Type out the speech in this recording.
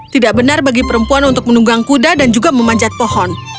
tidak benar bagi perempuan untuk menunggang kuda dan juga memanjat pohon